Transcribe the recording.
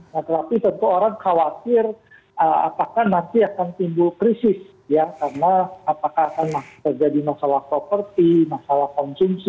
nah tetapi tentu orang khawatir apakah nanti akan timbul krisis ya karena apakah akan terjadi masalah properti masalah konsumsi